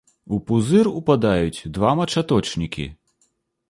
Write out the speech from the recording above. У пузыр упадаюць два мачаточнікі.